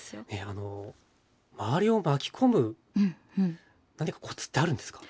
あの周りを巻きこむ何かコツってあるんですか？